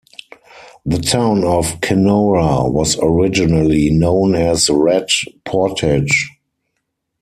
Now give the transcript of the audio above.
The town of Kenora was originally known as Rat Portage.